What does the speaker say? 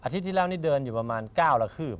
พี่เจ้านี่เดินอยู่ประมาณเก้าละครืบ